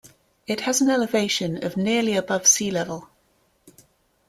It has an elevation of nearly above sea level.